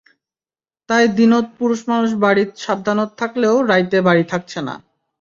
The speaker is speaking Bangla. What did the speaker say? তাই দিনত পুরুষ মানুষ বাড়িত সাবধানত থাকলেও রাইতে বাড়িত থাকছে না।